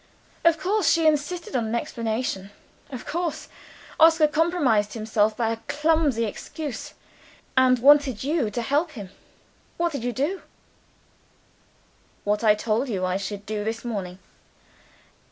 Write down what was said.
"Of course, she insisted on an explanation. Of course, Oscar compromised himself by a clumsy excuse, and wanted you to help him. What did you do?" "What I told you I should do this morning.